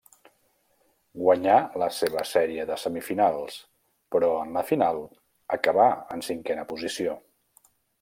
Guanyà la seva sèrie de semifinals, però en la final acabà en cinquena posició.